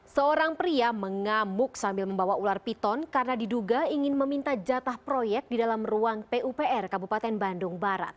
seorang pria mengamuk sambil membawa ular piton karena diduga ingin meminta jatah proyek di dalam ruang pupr kabupaten bandung barat